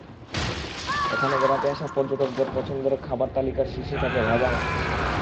এখানে বেড়াতে আসা পর্যটকদের পছন্দের খাবার তালিকার শীর্ষে থাকে ভাজা মাছ।